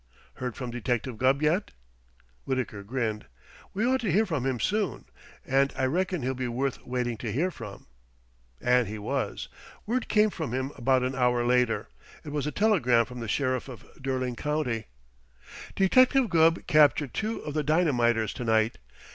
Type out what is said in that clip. Heard from Detective Gubb yet?" Wittaker grinned. "We ought to hear from him soon. And I reckon he'll be worth waiting to hear from." And he was. Word came from him about an hour later. It was a telegram from the Sheriff of Derling County: Detective Gubb captured two of the dynamiters to night.